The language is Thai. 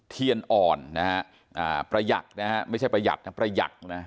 เทียนอ่อนนะฮะประหยักษ์นะฮะไม่ใช่ประหยัดนะประหยักษ์นะ